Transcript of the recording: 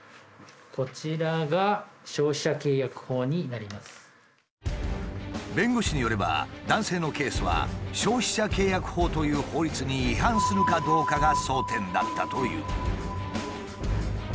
こちらが弁護士によれば男性のケースは消費者契約法という法律に違反するかどうかが争点だったという。